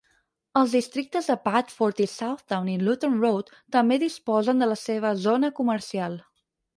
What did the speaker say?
Els districtes de Batford y Southdown y Luton Road també disposen de la seva zona comercial.